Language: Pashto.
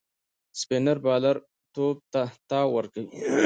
سپينر بالر توپ ته تاو ورکوي.